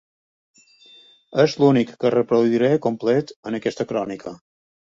És l'únic que reproduiré complet en aquesta crònica.